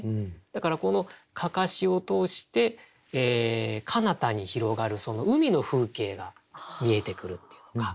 だからこの案山子を通してかなたに広がる海の風景が見えてくるっていうのか。